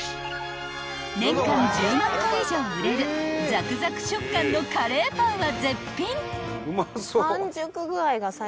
［年間１０万個以上売れるザクザク食感のカレーパンは絶品］